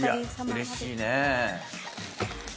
うれしいねぇ。